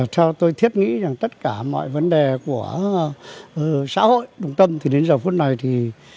theo tôi thiết nghĩ rằng tất cả mọi vấn đề của xã hội trung tâm thì đến giờ phút này thì